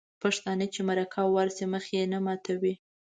پښتانه چې مرکه ورشي مخ یې نه ماتوي.